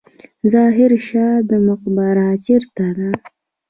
ظاهر شاه مقبره چیرته ده؟